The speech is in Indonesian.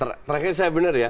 terakhir saya benar ya